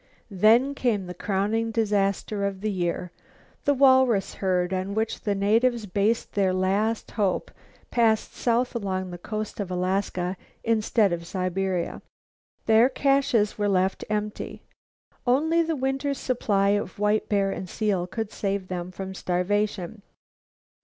Then came the crowning disaster of the year. The walrus herd, on which the natives based their last hope, passed south along the coast of Alaska instead of Siberia. Their caches were left empty. Only the winter's supply of white bear and seal could save them from starvation.